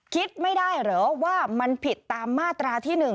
คิดไม่ได้เหรอว่ามันผิดตามมาตราที่๑